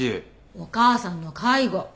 お母さんの介護。